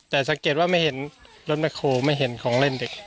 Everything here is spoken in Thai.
แต่สังเกตว่าไม่เห็นรถแคลไม่เห็นของเล่นเด็ก